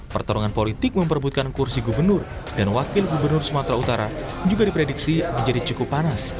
pertarungan politik memperbutkan kursi gubernur dan wakil gubernur sumatera utara juga diprediksi menjadi cukup panas